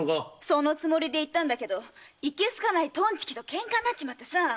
そのつもりで行ったんだけどいけ好かないトンチキと喧嘩になっちまってさあ。